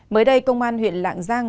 mới đây công an huyện lạng dương